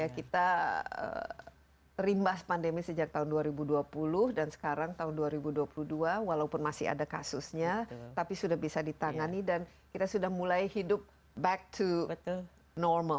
kita rimbas pandemi sejak tahun dua ribu dua puluh dan sekarang tahun dua ribu dua puluh dua walaupun masih ada kasusnya tapi sudah bisa ditangani dan kita sudah mulai hidup back to normal